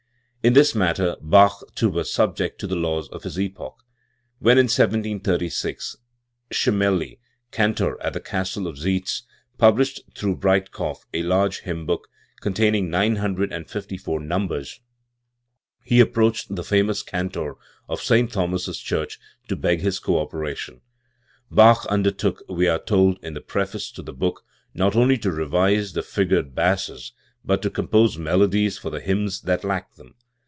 In this matter Bach too was subject to the laws of his epoch. When in 1736 Schemelli, cantor at the castle of Zeitz, published through Breitkopf a large hymn book, con taining nine hundred and fifty four numbers, he approached the famous cantor of St. Thomas's church to beg his co operation. Bach undertook, we are told in the preface to the book, not only to revise the figured basses, but to compose melodies for the hymns that lacked them.